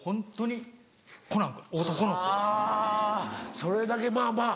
それだけまぁまぁ